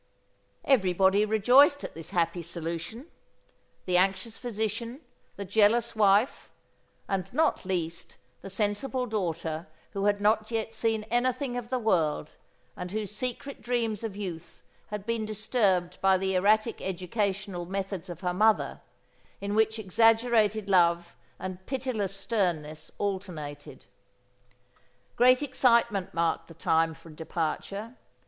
Everybody rejoiced at this happy solution; the anxious physician, the jealous wife, and, not least, the sensible daughter who had not yet seen anything of the world and whose secret dreams of youth had been disturbed by the erratic educational methods of her mother, in which exaggerated love and pitiless sternness alternated. Great excitement marked the time for departure.